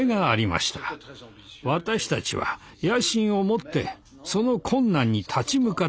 私たちは野心を持ってその困難に立ち向かったのです。